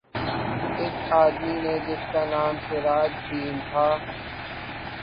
اس آدمی نے جس کا نام سراج دین تھا